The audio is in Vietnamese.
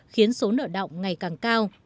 khiến số nợ động ngày càng cao